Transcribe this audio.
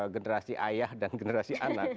generasi ayah dan generasi anak